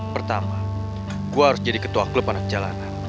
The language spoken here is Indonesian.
pertama gue harus jadi ketua klub anak jalanan